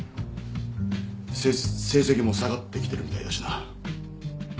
せ成績も下がってきてるみたいだしな。